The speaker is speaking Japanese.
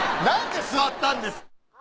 なんで座ったんです！？